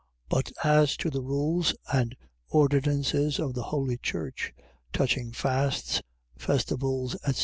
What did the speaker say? But as to the rules and ordinances of the holy church, touching fasts, festivals, etc.